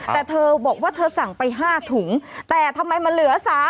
แต่เธอบอกว่าเธอสั่งไป๕ถุงแต่ทำไมมันเหลือ๓๐๐